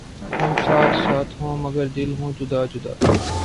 ھم ساتھ ساتھ ہوں مگر دل ہوں جدا جدا